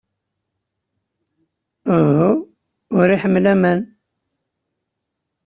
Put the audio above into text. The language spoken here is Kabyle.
Uhu. Ur iḥemmel aman!